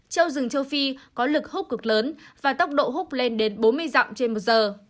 châu rừng châu phi có lực hút cực lớn và tốc độ hút lên đến bốn mươi dặm trên một giờ